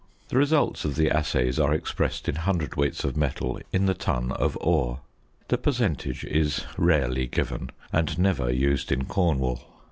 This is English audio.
The results of the assays are expressed in cwts. of metal in the ton of ore. The percentage is rarely given and never used in Cornwall.